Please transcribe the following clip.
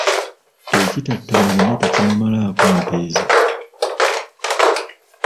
Ekitatta muyima, tekimumalaako nte ze.